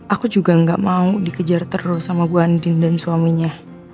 aku juga gak mau dikejar terus sama bu andin dan suaminya